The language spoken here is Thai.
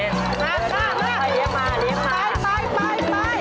สุดท้ายเร็วเร็ว